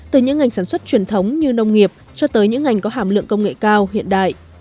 từ những ngành sản xuất truyền thống như nông nghiệp cho tới những ngành có hàm lượng công nghệ cao hiện đại